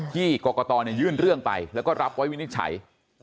ที่กรกตยื่นเรื่องไปแล้วก็รับไว้วินิจฉัย